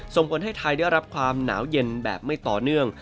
ส่งผลให้ไทยได้รับความหนาวเย็นแบบไม่ต่อเนื่อง